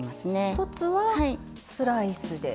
一つはスライスで。